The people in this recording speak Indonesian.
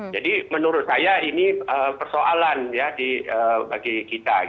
jadi menurut saya ini persoalan bagi kita